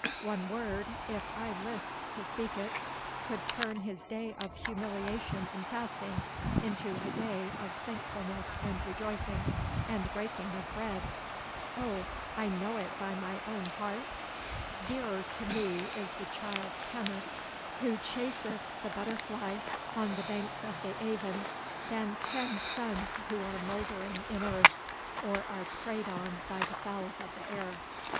One word, if I list to speak it, could turn his day of humiliation and fasting into a day of thankfulness and rejoicing, and breaking of bread. O, I know it by my own heart? Dearer to me is the child Kenneth, who chaseth the butterfly on the banks of the Aven, than ten sons who are mouldering in earth, or are preyed on by the fowls of the air."